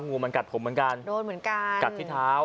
งูคาวเราออกจะกลับได้